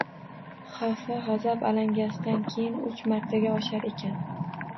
Xavfi g’azab alangasidan keyin uch martaga oshar ekan.